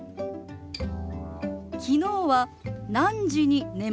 昨日は何時に寝ましたか？